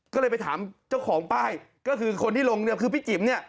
ก็เลยไปถามเจ้าของป้ายก็คือคนที่ลงเนี่ยคือพี่จิ๋มเนี่ย